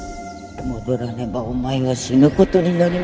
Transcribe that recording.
戻らねばお前は死ぬ事になりますぞ。